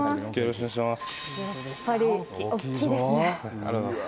よろしくお願いします。